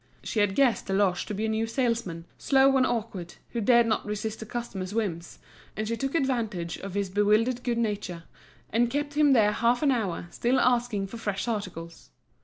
She had guessed Deloche to be a new salesman, slow and awkward, who dared not resist the customers' whims: and she took advantage of his bewildered good nature, and kept him there half an hour, still asking for fresh articles.